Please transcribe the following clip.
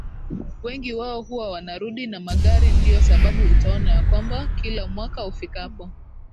Wengi wao huwa wanarudi na magari ndiyo sababu utaona ya kwamba kila mwaka ufikapo